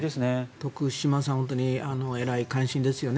徳島さんは本当に偉い感心ですよね。